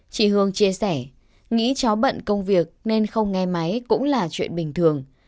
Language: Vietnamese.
chị hương chia sẻ nghĩ cháu bận công việc nên không nghe máy cũng là chuyện bình thường